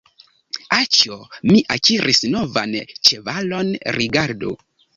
Aĉjo, mi akiris novan ĉevalon, rigardu!